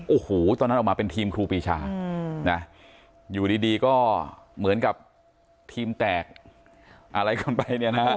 โอ้โหตอนนั้นออกมาเป็นทีมครูปีชานะอยู่ดีก็เหมือนกับทีมแตกอะไรกันไปเนี่ยนะฮะ